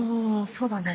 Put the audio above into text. そうだね。